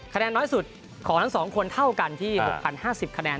คะแนนน้อยสุดของทั้ง๒คนเท่ากันที่๖๐๕๐คะแนน